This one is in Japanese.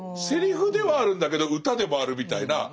セリフではあるんだけど歌でもあるみたいな。